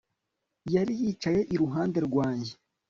Yari yicaye iruhande rwanjye